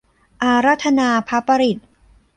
อาราธนาพระปริตร